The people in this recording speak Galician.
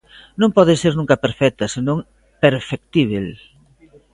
Non pode ser nunca perfecta, senón perfectíbel.